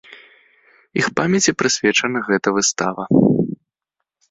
Іх памяці прысвечана гэта выстава.